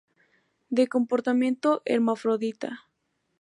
De comportamiento hermafrodita.